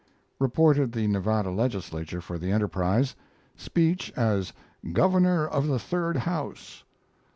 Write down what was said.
Reported the Nevada Legislature for the Enterprise. Speech as "Governor of the Third House."